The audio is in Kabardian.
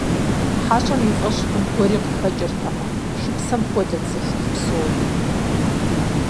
ХьэщӀэм и фӀэщ хъун гуэри къыхэкӀыртэкъым, шыпсэм хуэдэт зэхих псори.